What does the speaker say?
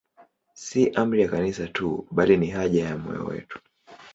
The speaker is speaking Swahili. Si amri ya Kanisa tu, bali ni haja ya moyo wetu.